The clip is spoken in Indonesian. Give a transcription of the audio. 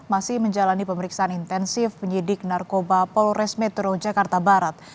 masih menjalani pemeriksaan intensif penyidik narkoba polres metro jakarta barat